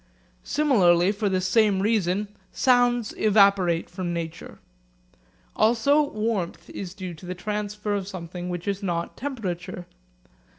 Similarly for the same reason sounds evaporate from nature. Also warmth is due to the transfer of something which is not temperature.